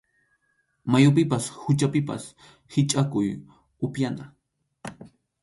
Mayupipas quchapipas hichʼakuq upyana.